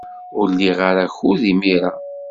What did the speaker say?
Ur liɣ ara akud imir-a.